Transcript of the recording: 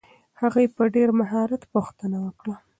هغې په ډېر مهارت پوښتنه وکړه.